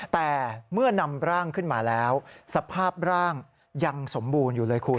แต่เมื่อนำร่างขึ้นมาแล้วสภาพร่างยังสมบูรณ์อยู่เลยคุณ